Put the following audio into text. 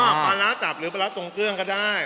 ปลาร้าจับหรือปลาร้าตรงเครื่องก็ได้